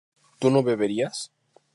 ¿tu no beberías?